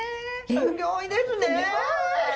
すぎょいですね。